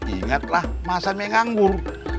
ingatlah masa menganggur